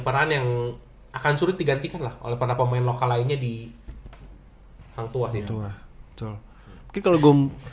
peran yang akan surut digantikan oleh para pemain lokal lainnya diangkut wah itu tuh kita lho gom